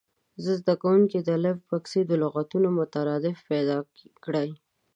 زده کوونکي دې د الف بکس د لغتونو مترادف پیدا کړي.